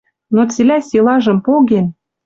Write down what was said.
Но цилӓ силажым поген